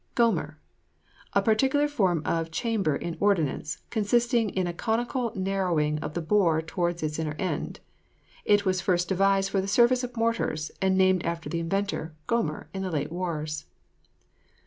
GOMER. A particular form of chamber in ordnance, consisting in a conical narrowing of the bore towards its inner end. It was first devised for the service of mortars, and named after the inventor, Gomer, in the late wars.